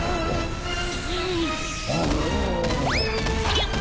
よっ！